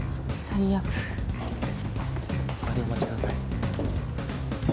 最悪こちらでお待ちください